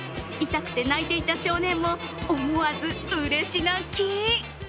痛くて泣いていた少年も思わずうれし泣き。